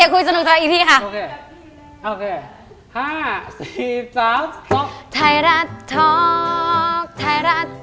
ข่วยสนุกสบาย